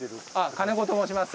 金子と申します。